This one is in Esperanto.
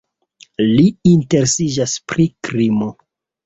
Li interesiĝas pri krimo.